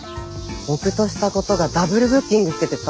ボクとしたことがダブルブッキングしててさ。